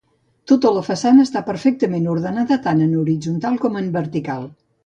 Tota la façana està perfectament ordenada tant en horitzontal com en vertical.